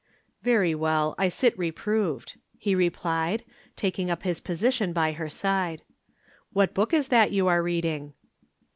"Very well. I sit reproved," he replied, taking up his position by her side. "What book is that you are reading?"